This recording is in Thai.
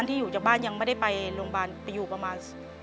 เปลี่ยนเพลงเพลงเก่งของคุณและข้ามผิดได้๑คำ